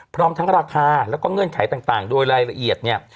พร้อมทั้งราคาแล้วก็เงื่อนไขต่างโดยรายละเอียดเนี่ย